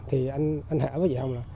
thì anh hải và chị hồng